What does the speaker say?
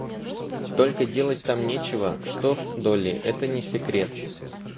Только делать там нечего — что ж, Долли, это не секрет!